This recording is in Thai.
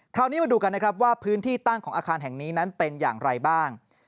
คราวนี้มาดูกันนะครับว่าพื้นที่ตั้งของอาคารแห่งนี้นั้นเป็นอย่างไรบ้าง